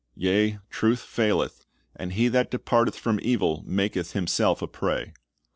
Yea, truth faileth; and he that departeth from evil maketh himself a prey."